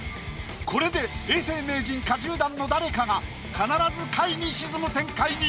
これで永世名人か１０段の誰かが必ず下位に沈む展開に。